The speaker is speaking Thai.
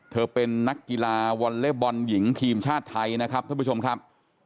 เป็นนักกีฬาวอลเล็บบอลหญิงทีมชาติไทยนะครับท่านผู้ชมครับ